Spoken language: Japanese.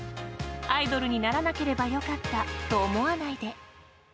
アイドルにならなければ良かったと思わないで。